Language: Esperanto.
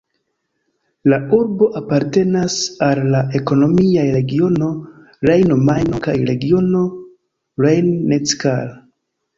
La urbo apartenas al la ekonomiaj regiono Rejno-Majno kaj regiono Rhein-Neckar.